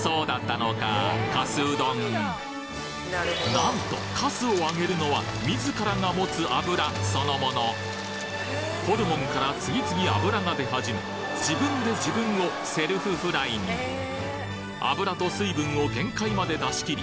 なんとかすを揚げるのはホルモンから次々脂が出始め自分で自分をセルフフライに脂と水分を限界まで出し切り